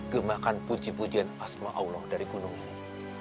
gemakan puji pujian asma allah dari gunung ini